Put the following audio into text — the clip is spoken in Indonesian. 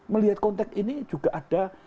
melihat konteks ini juga ada